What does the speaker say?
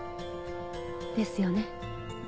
ですよね？